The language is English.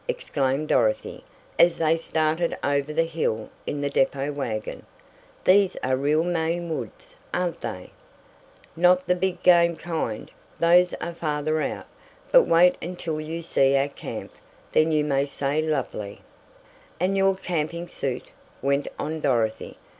exclaimed Dorothy, as they started over the hill in the depot wagon. "These are real Maine woods, aren't they?" "Not the big game kind. Those are farther out. But wait until you see our camp. Then you may say lovely!" "And your camping suit," went on Dorothy.